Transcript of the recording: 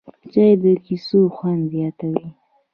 چای د کیسو خوند زیاتوي